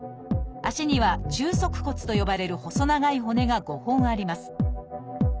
足には中足骨と呼ばれる細長い骨が５本あります。